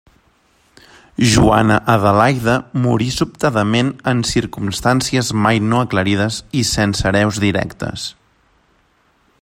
Joana-Adelaida morí sobtadament en circumstàncies mai no aclarides i sense hereus directes.